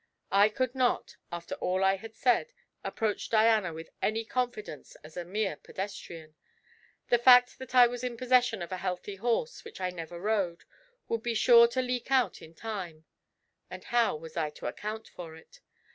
I could not, after all I had said, approach Diana with any confidence as a mere pedestrian: the fact that I was in possession of a healthy horse which I never rode, would be sure to leak out in time, and how was I to account for it?